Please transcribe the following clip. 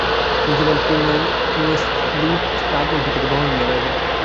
তিনি ছিলেন প্রিমেসলিড রাজবংশ থেকে বহেমিয়ার রাজা।